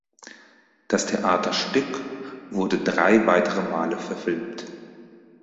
Das Theaterstück wurde drei weitere Male verfilmt.